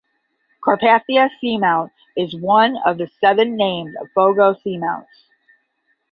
Carpathia Seamount is one of the seven named Fogo Seamounts.